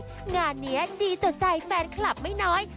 งานนี้ดีต่อใจแฟนคลับไม่น้อย